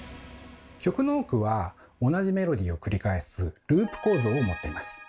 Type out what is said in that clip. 曲の多くは同じメロディーを繰り返す「ループ構造」を持ってます。